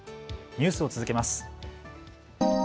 ニュースを続けます。